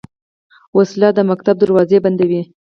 وسله د ښوونځي دروازې بندوي